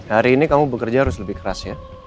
hari ini kamu bekerja harus lebih keras ya